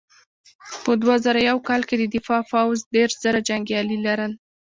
په دوه زره یو کال کې د دفاع پوځ دېرش زره جنګیالي لرل.